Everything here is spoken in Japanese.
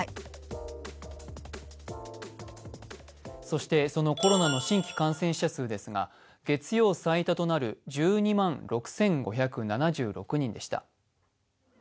そして、そのコロナの新規感染者数ですが、月曜最多となる１２万６５７６人でした。